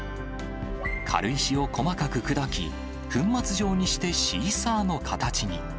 軽石を細かく砕き、粉末状にしてシーサーの形に。